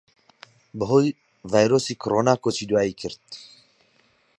بەھۆی ڤایرۆسی کۆرۆنا کۆچی دواییی کرد